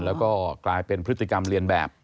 แล้วก็กลายเป็นพฤติกรรมเรียนแบบ